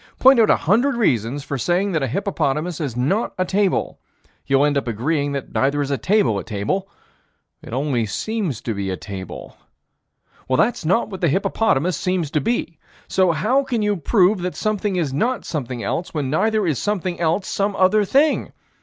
Point out a hundred reasons for saying that a hippopotamus is not a table: you'll have to end up agreeing that neither is a table a table it only seems to be a table. Well, that's what the hippopotamus seems to be. So how can you prove that something is not something else, when neither is something else some other thing?